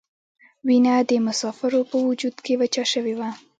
وینه د مسافرو په وجود کې وچه شوې وه.